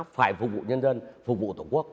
phải phục vụ nhân dân phục vụ tổng quốc